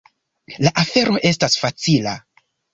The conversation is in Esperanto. La afero estas facila.